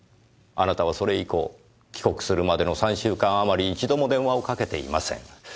あなたはそれ以降帰国するまでの３週間あまり一度も電話をかけていません。